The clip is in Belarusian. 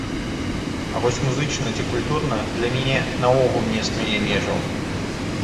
А вось музычна ці культурна для мяне наогул не існуе межаў.